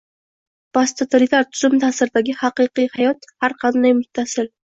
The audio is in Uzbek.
Posttotalitar tuzum ta’siridagi “haqiqiy hayot” har qanday mustaqil